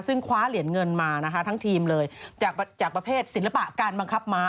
ซึ่งคว้าเหรียญเงินมานะคะทั้งทีมเลยจากประเภทศิลปะการบังคับม้า